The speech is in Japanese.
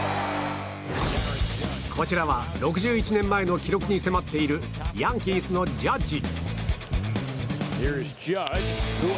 こちらは６１年前の記録に迫っているヤンキースのジャッジ。